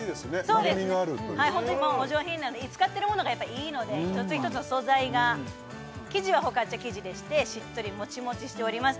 丸みがあるというか使ってるものがやっぱいいので一つ一つの素材が生地はフォカッチャ生地でしてしっとりもちもちしております